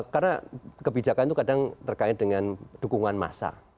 karena kebijakan itu kadang terkait dengan dukungan massa